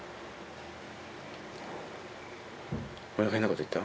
俺何か変なこと言った？